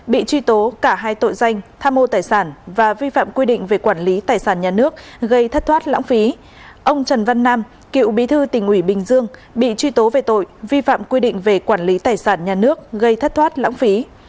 bị truy tố cả hai tội danh tham mô tài sản và vi phạm quy định về quản lý tài sản nhà nước gây thất thoát lãng phí